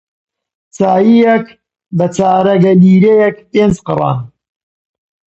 چایییەک بە چارەگە لیرەیەک پێنج قڕان